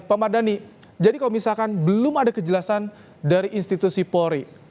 pak mardhani jadi kalau misalkan belum ada kejelasan dari institusi polri